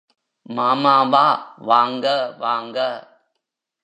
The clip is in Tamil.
மாமாவா வாங்க வாங்க.